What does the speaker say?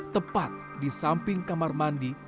tepat di samping kamar mandi